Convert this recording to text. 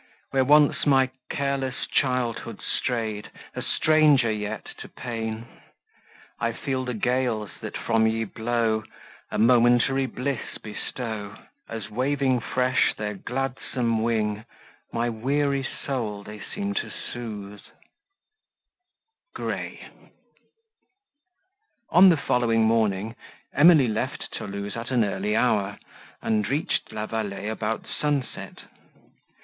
Where once my careless childhood stray'd, A stranger yet to pain! I feel the gales, that from ye blow, A momentary bliss bestow, As waving fresh their gladsome wing, My weary soul they seem to sooth. GRAY On the following morning, Emily left Thoulouse at an early hour, and reached La Vallée about sunset.